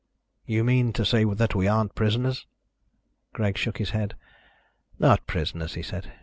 "You mean to say that we aren't prisoners?" Greg shook his head. "Not prisoners," he said.